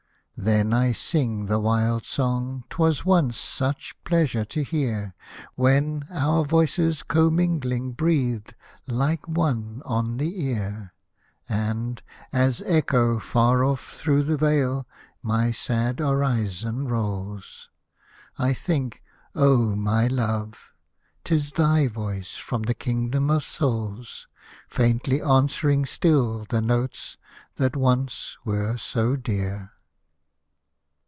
Then I sing the wild song 'twas once such pleasure to hear ! When our voices commingling breathed, like one, on the ear ; And, as Echo far off through the vale my sad orison rolls, I think, oh my love I 'tis thy voice from the Kingdom of Souls, Faintly answering still the notes that once were so dear.